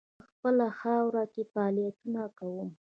په خپله خاوره کې فعالیتونه کوم.